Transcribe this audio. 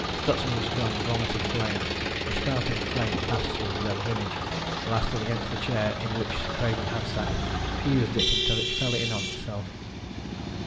Stutsman's gun vomited flame. The spouting flame passed through Greg's image, blasted against the chair in which Craven had sat, fused it until it fell in on itself.